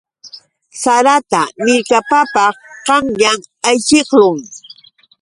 Sarata millkapapaq qanyan ayćhiqlun.